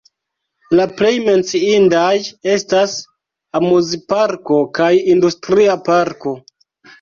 La plej menciindaj estas amuzparko kaj industria parko.